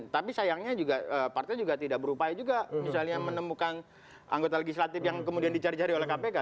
tapi sayangnya juga partai juga tidak berupaya juga misalnya menemukan anggota legislatif yang kemudian dicari cari oleh kpk